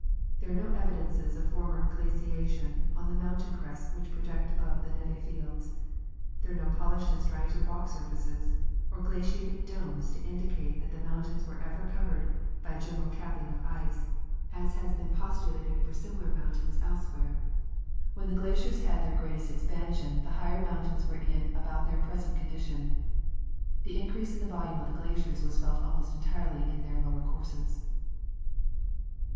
There are no evidences of former glaciation on the mountain crests Avhich project above the neve fields. There are no polished and striated rock surfaces or glaciated domes to indicate that the mountains were ever covered bv a general capping of ice, as has been postulated for similar mountains elsewhere. AMien the Rivers flu whig upon Glaciers. 183 glaciers had their greatest expansion the higher mountains were in about their present condition. The increase in the volume of the glaciers was felt almost entirely in their lower courses.